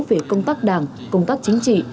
về công tác đảng công tác chính trị